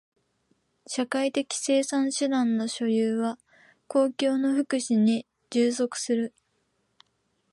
社会的生産手段の所有は公共の福祉に従属する。